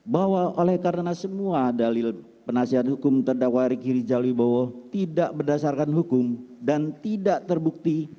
bahwa oleh karena semua dalil penasihat hukum terdakwa riki rizal wibowo tidak berdasarkan hukum dan tidak terbukti